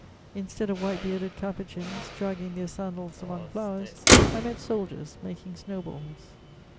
Instead of white bearded Capuchins dragging their sandals among flowers, I met soldiers making snow balls.